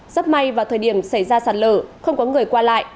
rất may vào thời điểm xảy ra sạt lở không có người qua lại